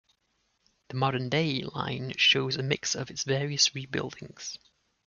The modern-day line shows a mix of its various re-buildings.